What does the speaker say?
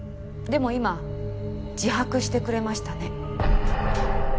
でも今自白してくれましたね。